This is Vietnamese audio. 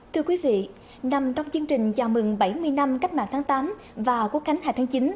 thưa quý vị nằm trong chương trình chào mừng bảy mươi năm cách mạng tháng tám và quốc khánh hai tháng chín